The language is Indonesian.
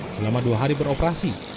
selama dua hari beroperasi